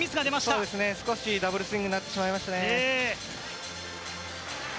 そうですね、少しダブルスイングになってしまいましたね。